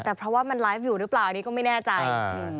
แต่เพราะว่ามันไลฟ์อยู่หรือเปล่าอันนี้ก็ไม่แน่ใจ